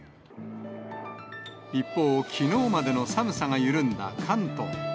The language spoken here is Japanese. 一方、きのうまでの寒さが緩んだ関東。